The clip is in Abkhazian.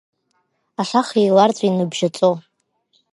Ашаха еиларҵәи ныбжьаҵо!